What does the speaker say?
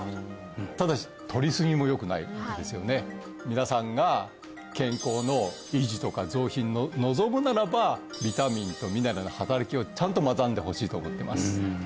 ただし皆さんが健康の維持とか増進を望むならばビタミンとミネラルの働きをちゃんと学んでほしいと思ってます